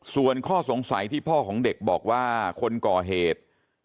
ส่วนข้อสงสัยที่พ่อของเด็กบอกว่าคนก่อเหตุ